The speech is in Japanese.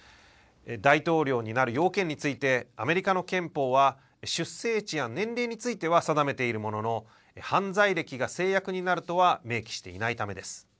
大統領になる要件についてアメリカの憲法は出生地や年齢については定めているものの犯罪歴が制約になるとは明記していないためです。